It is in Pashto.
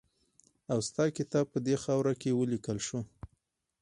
اوستا کتاب په دې خاوره کې ولیکل شو